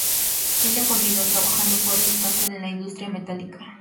Ella continúa trabajando fuera de casa en la industria metálica.